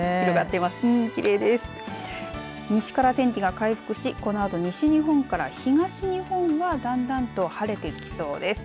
西から天気が回復しこのあと西日本から東日本はだんだんと晴れてきそうです。